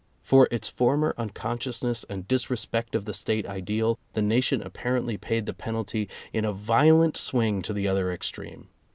For its former unconsciousness and dis respect of the State ideal, the nation apparently paid the penalty in a violent swing to the other extreme.